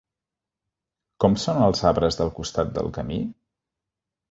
Com són els arbres del costat del camí?